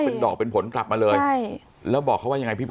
เป็นดอกเป็นผลกลับมาเลยใช่แล้วบอกเขาว่ายังไงพี่ป